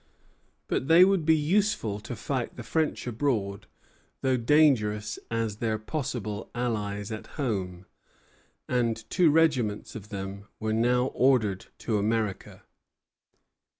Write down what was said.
But they would be useful to fight the French abroad, though dangerous as their possible allies at home; and two regiments of them were now ordered to America.